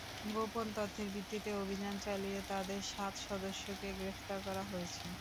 গোপন তথ্যের ভিত্তিতে অভিযান চালিয়ে তাদের সাত সদস্যকে গ্রেপ্তার করা হয়েছে।